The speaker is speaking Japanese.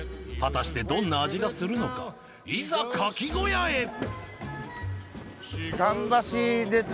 果たしてどんな味がするのかいざカキ小屋へ！